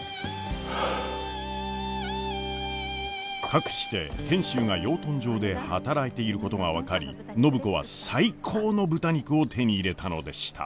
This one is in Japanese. かくして賢秀が養豚場で働いていることが分かり暢子は最高の豚肉を手に入れたのでした。